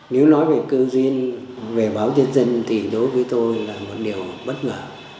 nếu nói về cư duyên về báo tiên dân thì đối với tôi là một điều bất ngờ